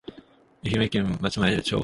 愛媛県松前町